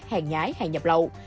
hàng nhái hàng nhập lậu